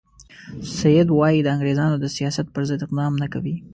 سید وایي د انګریزانو د سیاست پر ضد اقدام نه کوي.